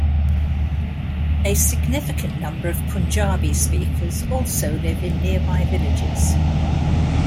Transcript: A significant number of Punjabi speakers also live in nearby villages.